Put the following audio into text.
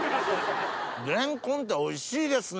レンコンっておいしいですね！